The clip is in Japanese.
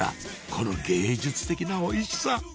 この芸術的なおいしさ！